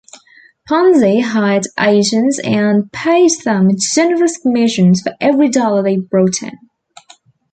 Ponzi hired agents and paid them generous commissions for every dollar they brought in.